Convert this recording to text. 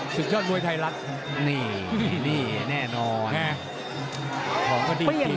ศึกยอดโดยไทรรัสนี่นี่แน่นอน